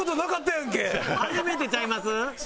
初めてちゃいます？